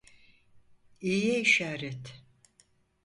İyiye işaret.